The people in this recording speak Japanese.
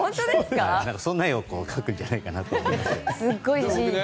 そんな絵を描くんじゃないかと思いますね。